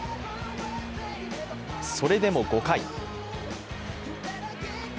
それでも５回。